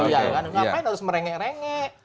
ya kan ngapain harus merengek rengek